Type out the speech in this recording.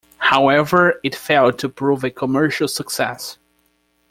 However, it failed to prove a commercial success.